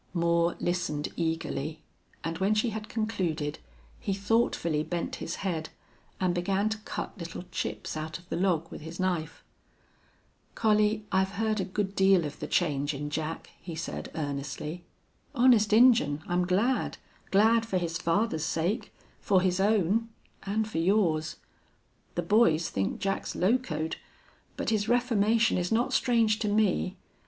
Moore listened eagerly, and when she had concluded he thoughtfully bent his head and began to cut little chips out of the log with his knife. "Collie, I've heard a good deal of the change in Jack," he said, earnestly. "Honest Injun, I'm glad glad for his father's sake, for his own, and for yours. The boys think Jack's locoed. But his reformation is not strange to me.